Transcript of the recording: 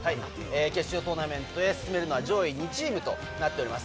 決勝トーナメントに進めるのは上位２チームとなっています。